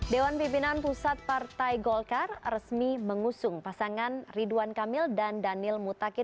dewan pimpinan pusat partai golkar resmi mengusung pasangan ridwan kamil dan daniel mutakin